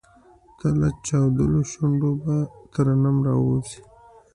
تۀ لۀ چاودلو شونډو پۀ ترنم راووځه !